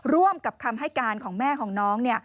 ร่วมกับคำให้การของแม่ของน้อง